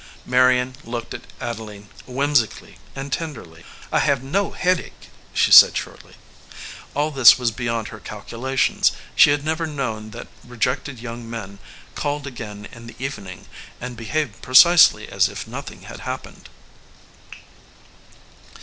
Marion looked at Adeline whimsically and ten derly. "I have no headache," she said shortly. All this was beyond her calculations. She had never known that rejected young men called again in the even ing, and behaved precisely as if nothing had hap pened.